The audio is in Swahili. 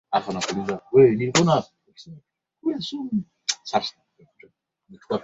Hata nao wazikabithi heshima zao